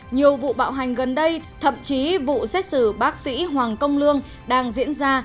nhiều vụ bạo hành gần đây thậm chí vụ xét xử bác sĩ hoàng công lương đang diễn ra